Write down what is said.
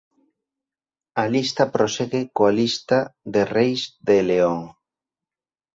A lista prosegue coa Lista de reis de León.